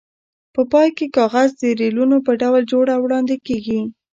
په پای کې کاغذ د ریلونو په ډول جوړ او وړاندې کېږي.